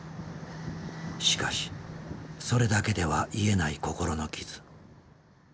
しかしそれだけでは癒えない心の傷。